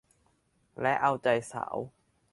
และเอาใจสาว